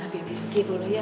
bibi pergi dulu ya